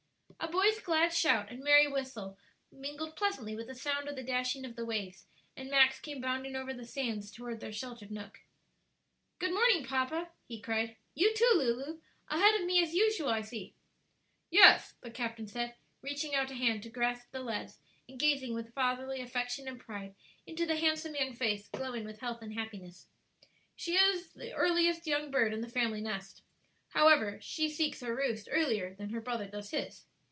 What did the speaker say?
A boy's glad shout and merry whistle mingled pleasantly with the sound of the dashing of the waves, and Max came bounding over the sands toward their sheltered nook. "Good morning, papa," he cried. "You too, Lulu. Ahead of me as usual, I see!" "Yes," the captain said, reaching out a hand to grasp the lad's and gazing with fatherly affection and pride into the handsome young face glowing with health and happiness, "she is the earliest young bird in the family nest. However, she seeks her roost earlier than her brother does his."